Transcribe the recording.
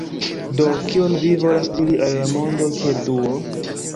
Do, kion vi volas diri al la mondo kiel Duo?